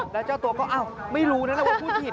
แล้วเจ้าตัวก็อ้าวไม่รู้นะแล้วว่าพูดผิด